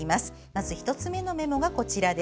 まず１つ目のメモがこちら。